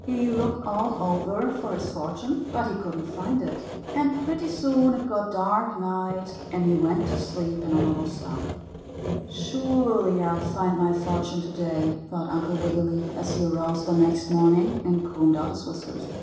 He looked all over for his fortune, but he couldn't find it, and pretty soon it got dark night and he went to sleep in a hollow stump. "Surely, I will find my fortune to day," thought Uncle Wiggily, as he arose the next morning, and combed out his whiskers.